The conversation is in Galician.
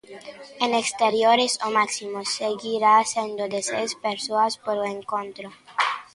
En exteriores, o máximo seguirá sendo de seis persoas por encontro.